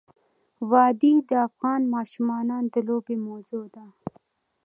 وادي د افغان ماشومانو د لوبو موضوع ده.